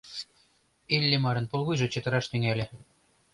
Иллимарын пулвуйжо чытыраш тӱҥале.